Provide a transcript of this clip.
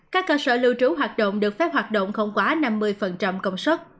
các cơ sở lưu trú hoạt động được phép hoạt động không quá năm mươi công suất